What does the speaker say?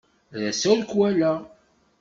Ar ass-a ur k-walaɣ.